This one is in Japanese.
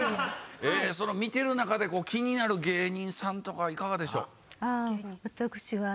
見てる中で気になる芸人さんとかいかがでしょう？